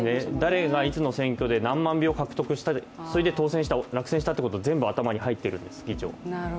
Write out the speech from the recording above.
誰がいつの選挙で何万票を獲得したそれで当選した、落選したってことは全部頭に入ってるんです、議長。